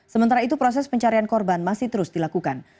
sementara itu proses pencarian korban masih terus dilakukan